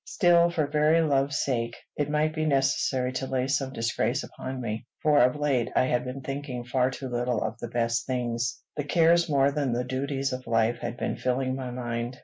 Still, for very love's sake, it might be necessary to lay some disgrace upon me, for of late I had been thinking far too little of the best things. The cares more than the duties of life had been filling my mind.